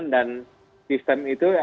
dan sistem itu